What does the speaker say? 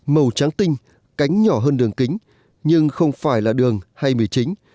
màu trắng tinh cánh nhỏ hơn đường kính nhưng không phải là đường hay mì chính